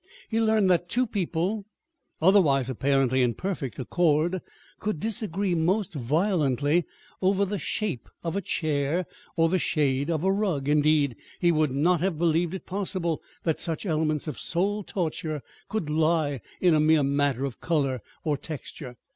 He learned that two people, otherwise apparently in perfect accord, could disagree most violently over the shape of a chair or the shade of a rug. Indeed, he would not have believed it possible that such elements of soul torture could lie in a mere matter of color or texture.